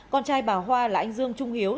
con trai bà hoa là anh dương trung hiếu